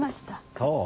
そう？